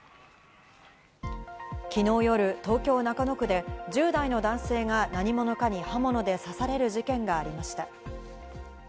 きのう夜、東京・中野区で１０代の男性が何者かに刃物で刺される事件がありました。